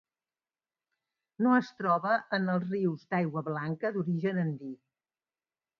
No es troba en els rius d'aigua blanca d'origen andí.